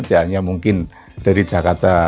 tidak hanya mungkin dari jakarta